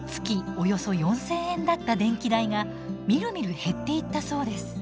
およそ４，０００円だった電気代がみるみる減っていったそうです。